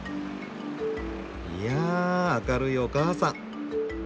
いや明るいおかあさん！